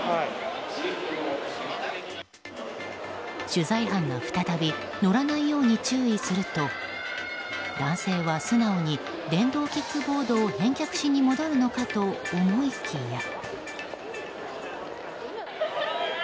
取材班が再び乗らないように注意すると男性は素直に電動キックボードを返却しに戻るのかと思いきや。